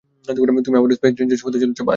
তুমি আবারও space ranger হতে চলেছো, বায।